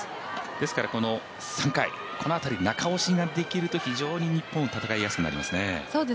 ですから、この３回、この辺りで中押しができると非常に日本、戦いやすくなりますね。